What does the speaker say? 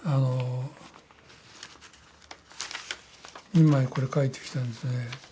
２枚これ書いてきたんですね。